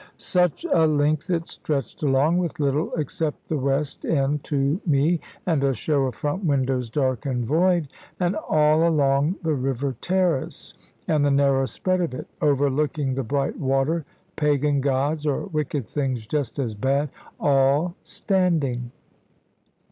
Such a length it stretched along, with little except the west end to me, and a show of front windows dark and void; and all along the river terrace, and the narrow spread of it, overlooking the bright water, pagan gods, or wicked things just as bad, all standing.